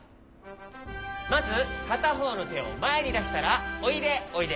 まずかたほうのてをまえにだしたらおいでおいで。